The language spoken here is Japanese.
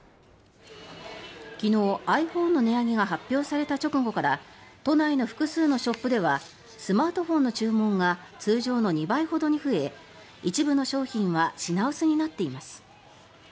昨日、ｉＰｈｏｎｅの値上げが発表された直後から都内の複数のショップではスマートフォンの注文が通常の２倍ほどに増え一部の商品は品薄になっています。